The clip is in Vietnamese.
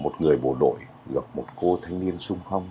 một người bộ đội hoặc một cô thanh niên sung phong